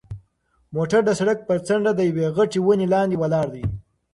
موټر د سړک پر څنډه د یوې غټې ونې لاندې ولاړ دی.